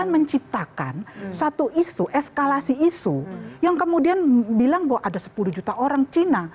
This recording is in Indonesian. menciptakan satu isu eskalasi isu yang kemudian bilang bahwa ada sepuluh juta orang cina